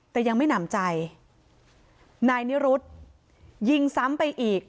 แต่ยังไม่หนำใจนายนิรุธยิงซ้ำไปอีก